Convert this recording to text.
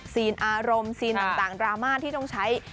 อารมณ์ซีนต่างดราม่าที่ต้องใช้